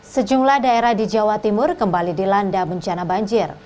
sejumlah daerah di jawa timur kembali dilanda bencana banjir